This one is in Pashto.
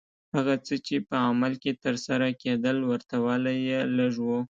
هغه څه چې په عمل کې ترسره کېدل ورته والی یې لږ و.